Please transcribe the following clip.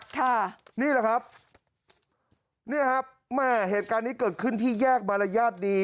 ค่ะนี่แหละครับเนี่ยครับแม่เหตุการณ์นี้เกิดขึ้นที่แยกมารยาทดี